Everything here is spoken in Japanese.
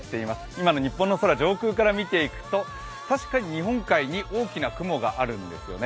今の日本の空、上空から見ていくと、確かに日本海に大きな雲があるんですよね。